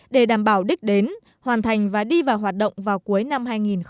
để đảm bảo đích đến hoàn thành và đi vào hoạt động vào cuối năm hai nghìn hai mươi